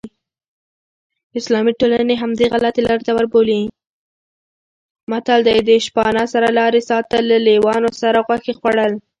متل دی: د شپانه سره لارې ساتل، له لېوانو سره غوښې خوړل